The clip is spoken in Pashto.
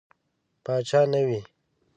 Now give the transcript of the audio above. پاچا نه وي.